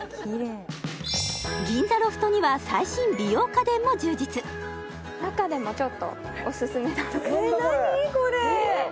銀座ロフトには最新美容家電も充実中でもちょっとオススメなのがえーっ何？